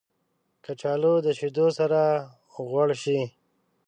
کچالو د شیدو سره غوړ شي